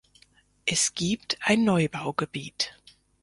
Es gibt ein Neubaugebiet.